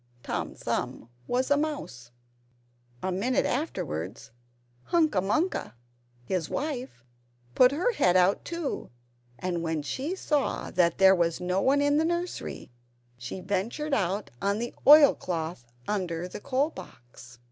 Tom Thumb was a mouse. A minute afterwards, Hunca Munca, his wife, put her head out, too; and when she saw that there was no one in the nursery, she ventured out on the oilcloth under the coal box.